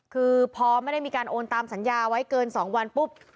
คือพอไม่ได้มีการโอนตามสัญญาไว้เกิน๒วันปุ๊บ